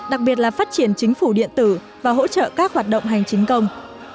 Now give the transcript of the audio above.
đặc biệt là phát triển chính phủ điện tử và hỗ trợ các hoạt động hành chính công